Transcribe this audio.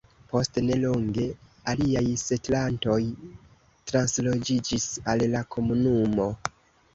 Post ne longe, aliaj setlantoj transloĝiĝis al al komunumo.